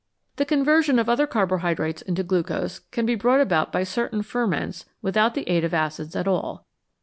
The conversion of other carbohydrates into glucose can be brought about by certain ferments without the aid of acids at all.